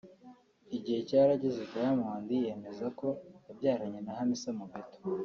Igihe cyarageze Diamond yemera ko yabyaranye na Hamisa Mobeto